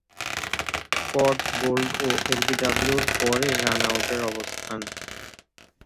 কট, bowled ও এলবিডব্লিউ’র পরই রান আউটের অবস্থান।